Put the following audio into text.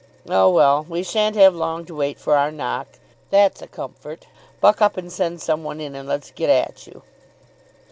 "Oh, well, we sha'n't have long to wait for our knock, that's a comfort. Buck up and send some one in, and let's get at you."